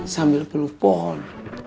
sambil peluk pohon